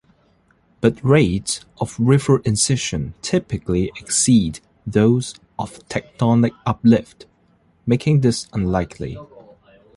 But rates of river incision typically exceed those of tectonic uplift, making this unlikely.